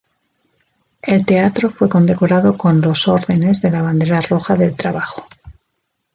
El teatro fue condecorado con los ordenes de la Bandera Roja del Trabajo.